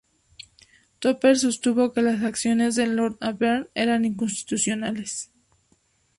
Tupper sostuvo que las acciones de Lord Aberdeen eran inconstitucionales.